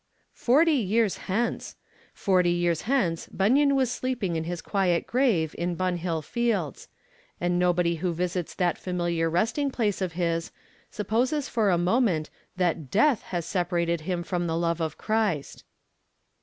Forty years hence! Forty years hence Bunyan was sleeping in his quiet grave in Bunhill Fields; and nobody who visits that familiar resting place of his supposes for a moment that death has separated him from the love of Christ.